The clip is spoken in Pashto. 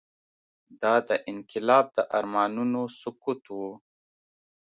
دا د انقلاب د ارمانونو سقوط و.